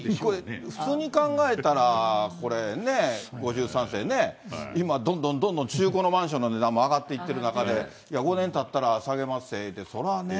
普通に考えたら、これね、５３世ね、今、どんどんどんどん中古のマンションの値段も上がっていってる中で、５年たったら下げまっせって、それはね。